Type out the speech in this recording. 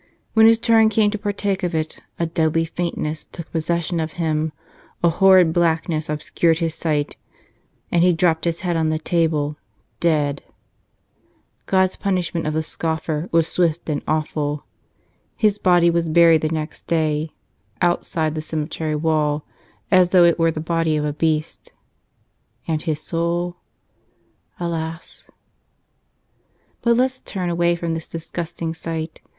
When his turn came to partake of it a deadly faintness took posses¬ sion of him, a horid blackness obscured his sight, and he dropped his head on the table — dead ! God's punish¬ ment of the scoffer was swift and awful. His body was buried the next day — outside the cemetery wall, as though it were the body of a beast. And his soul? Alas !.... But let's turn away from this disgusting sight.